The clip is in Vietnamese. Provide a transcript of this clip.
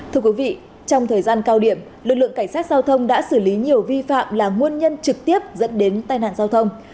thưa quý vị trong thời gian cao điểm lực lượng cảnh sát giao thông đã xử lý nhiều vi phạm là nguồn nhân trực tiếp dẫn đến tai nạn giao thông